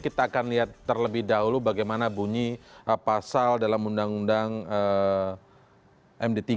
kita akan lihat terlebih dahulu bagaimana bunyi pasal dalam undang undang md tiga